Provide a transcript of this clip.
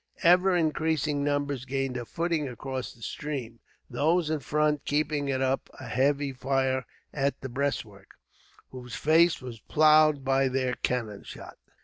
Ever increasing numbers gained a footing across the stream, those in front keeping up a heavy fire at the breastwork, whose face was ploughed by their cannon shot.